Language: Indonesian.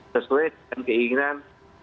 sesuai dengan keinginan